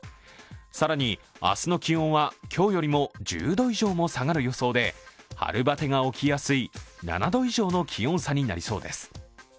更に、明日の気温は今日よりも１０度以上も下がる予想で春バテが起きやすい７度以上の気温差になりそうです。